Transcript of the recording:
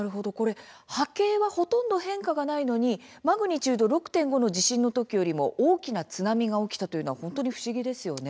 波形はほとんど変化がないのにマグニチュード６．５の地震の時より大きな津波が起きたというのは本当に不思議ですよね。